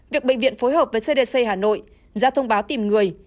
việc bệnh viện phối hợp với cdc hà nội ra thông báo tìm người